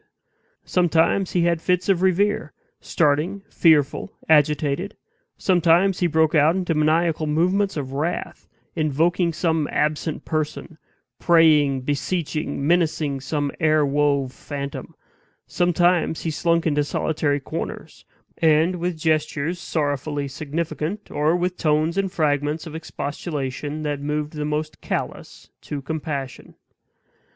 Sometimes he had fits of reverie, starting, fearful, agitated; sometimes he broke out into maniacal movements of wrath, invoking some absent person, praying, beseeching, menacing some air wove phantom; sometimes he slunk into solitary corners, muttering to himself, and with gestures sorrowfully significant, or with tones and fragments of expostulation that moved the most callous to compassion.